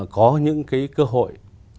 có những cái cơ hội